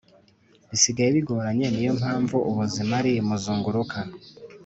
Bisigaye bigoranye niyompamvu ubuzima ari muzunguruka